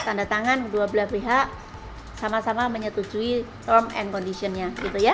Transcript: tanda tangan dua belah pihak sama sama menyetujui term and conditionnya